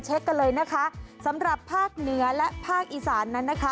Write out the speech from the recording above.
กันเลยนะคะสำหรับภาคเหนือและภาคอีสานนั้นนะคะ